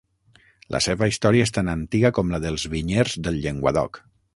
La seva història és tan antiga com la dels vinyers del Llenguadoc.